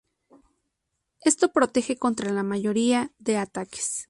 Esto protege contra la mayoría de ataques.